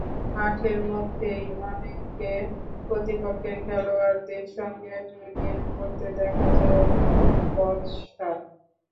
মাঠের মধ্যেই অনেককে প্রতিপক্ষের খেলোয়াড়দের সঙ্গে জড়িয়ে পড়তে দেখা যায় বচসায়।